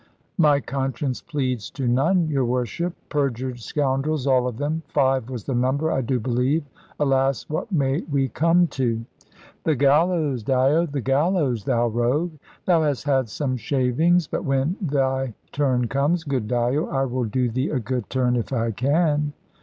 "My conscience pleads to none, your Worship. Perjured scoundrels all of them. Five was the number, I do believe. Alas! what may we come to?" "The gallows, Dyo, the gallows, thou rogue! Thou hast had some shavings. But when thy turn comes, good Dyo, I will do thee a good turn, if I can."